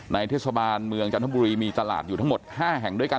เทศบาลเมืองจันทบุรีมีตลาดอยู่ทั้งหมด๕แห่งด้วยกัน